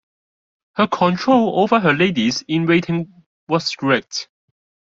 Her control over her ladies-in-waiting was strict.